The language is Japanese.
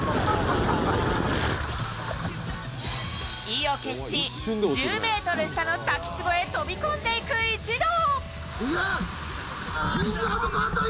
意を決し１０ｍ下の滝つぼへ飛び込んでいく一同。